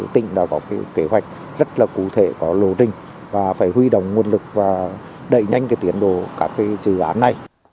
tỉnh đã có kế hoạch rất là cụ thể có lô trình và phải huy động nguồn lực và đẩy nhanh tiến bộ các dự án này